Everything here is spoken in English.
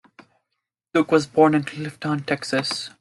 Duke was born in Clifton, Texas.